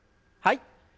はい。